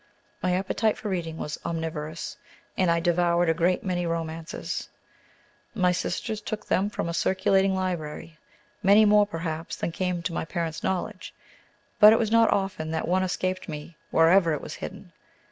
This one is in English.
My appetite for reading was omnivorous, and I devoured a great many romances. My sisters took them from a circulating library, many more, perhaps, than came to my parents' knowledge; but it was not often that one escaped me, wherever it was hidden.